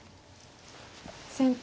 先手